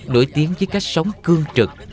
nổi tiếng với cách sống cương trực